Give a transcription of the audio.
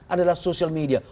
adalah sosial media